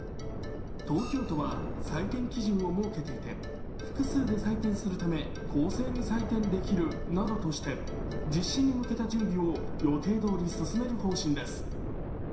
東京都は採点基準を設けていて複数で採点するため公正に採点できるなどとして実施に向ける準備を予定どおり進める方針です。